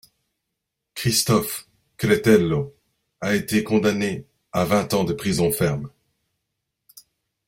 Christophe Cretello a été condamné à vingt ans de prison ferme.